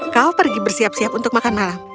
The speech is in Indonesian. kau pergi bersiap siap untuk makan malam